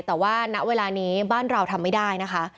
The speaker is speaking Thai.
แต่ว่าณเวลานี้บ้านเราทำไม่ได้นะคะ